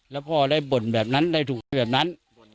แล้วพ่อได้บ่นแบบนั้นได้ถูกแบบนั้น